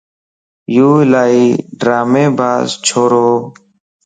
يو الائي ڊرامي باز ڇوروَ